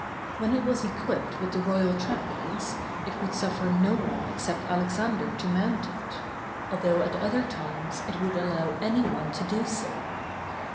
When it was equipped with the royal trappings, it would suffer no one except Alexander to mount it, although at other times it would allow any one to do so.